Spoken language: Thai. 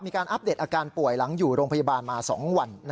อัปเดตอาการป่วยหลังอยู่โรงพยาบาลมา๒วัน